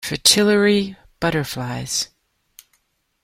Fritillary Butterflies.